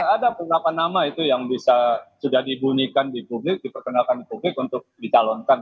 ada beberapa nama itu yang bisa sudah dibunyikan di publik diperkenalkan publik untuk dicalonkan